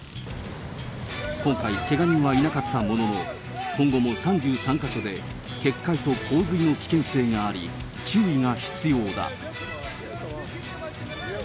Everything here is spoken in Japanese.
今回、けが人はいなかったものの、今後も３３か所で、決壊と洪水の危険性があり、注意が必要だ。